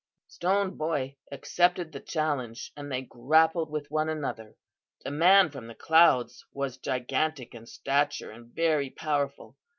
"Stone Boy accepted the challenge and they grappled with one another. The man from the clouds was gigantic in stature and very powerful.